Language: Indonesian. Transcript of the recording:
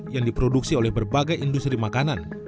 yang diproduksi oleh berbagai industri makanan